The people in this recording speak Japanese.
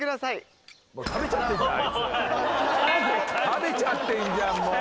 食べちゃってんじゃんもう！